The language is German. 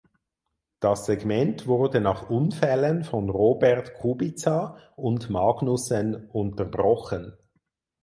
Das Segment wurde nach Unfällen von Robert Kubica und Magnussen unterbrochen.